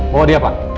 bawa dia pak